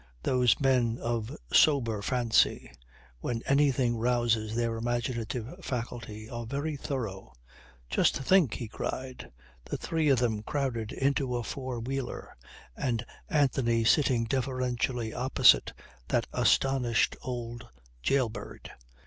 Those men of sober fancy, when anything rouses their imaginative faculty, are very thorough. "Just think!" he cried. "The three of them crowded into a four wheeler, and Anthony sitting deferentially opposite that astonished old jail bird!"